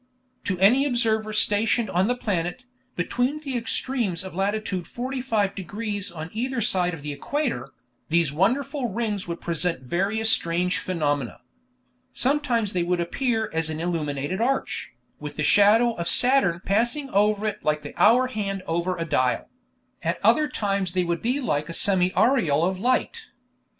To any observer stationed on the planet, between the extremes of lat. 45 degrees on either side of the equator, these wonderful rings would present various strange phenomena. Sometimes they would appear as an illuminated arch, with the shadow of Saturn passing over it like the hour hand over a dial; at other times they would be like a semi aureole of light.